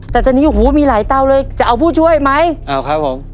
แต่ตอนนี้โอ้โหมีหลายเตาเลยจะเอาผู้ช่วยไหมเอาครับผม